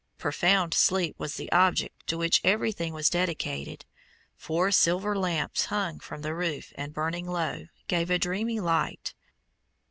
Profound sleep was the object to which everything was dedicated. Four silver lamps hanging from the roof, and burning low, gave a dreamy light.